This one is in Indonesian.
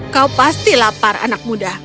kau pasti lapar anak muda